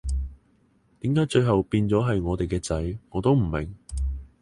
點解最尾會變咗係我哋嘅仔，我都唔明